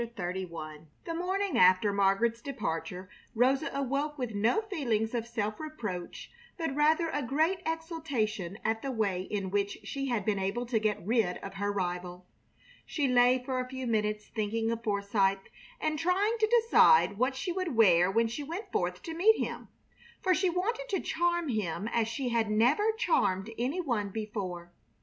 CHAPTER XXXI The morning after Margaret's departure Rosa awoke with no feelings of self reproach, but rather a great exultation at the way in which she had been able to get rid of her rival. She lay for a few minutes thinking of Forsythe, and trying to decide what she would wear when she went forth to meet him, for she wanted to charm him as she had never charmed any one before.